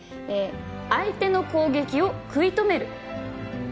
「相手の攻撃を食い止める」